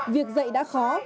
việc dạy đã khó